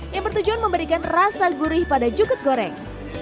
yang bertujuan memberikan rasa gurih pada jukut goreng